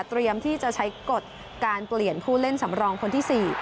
ที่จะใช้กฎการเปลี่ยนผู้เล่นสำรองคนที่๔